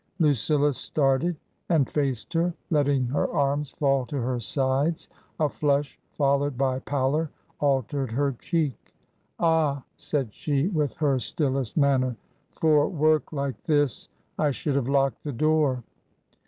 Lucilla started and faced her, letting her arms fall to / 256 TRANSITION. her sides. A flush followed by pallor altered her cheek. " Ah !" said she, with her stillest manner. " For work like this I should have locked the door."